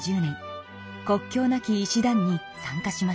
国境なき医師団に参加しました。